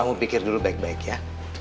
kamu pikir dulu baik baik ya